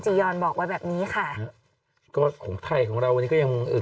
ยอนบอกไว้แบบนี้ค่ะก็ของไทยของเราวันนี้ก็ยังเออ